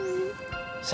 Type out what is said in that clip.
yang cari napkah siapa